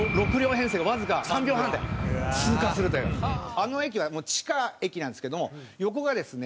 あの駅は地下駅なんですけども横がですね